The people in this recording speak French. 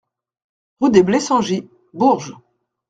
Rue des Blessangis, Bourges